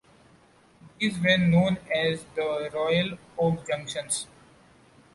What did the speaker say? These were known as the Royal Oak Junctions.